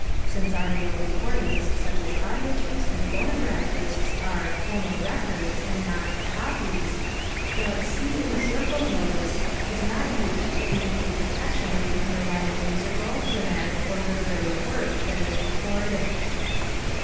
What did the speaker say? Since audio recordings such as audio tapes and phonograph disks are "phonorecords" and not "copies," the "C in a circle" notice is not used to indicate protection of the underlying musical, dramatic, or literary work that is recorded.